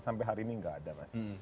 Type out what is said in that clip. sampai hari ini nggak ada mas